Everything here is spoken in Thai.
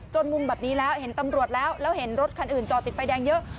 มุมแบบนี้แล้วเห็นตำรวจแล้วแล้วเห็นรถคันอื่นจอดติดไฟแดงเยอะ